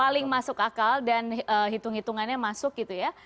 paling masuk akal dan hitung hitungannya masuk gitu ya